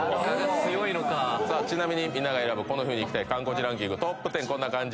ちなみにみんな選ぶこの冬に行きたい観光地ランキングトップ１０こんな感じ